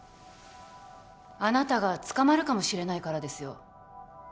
あなたが捕まるかもしれないからですよ